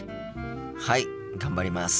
はい頑張ります。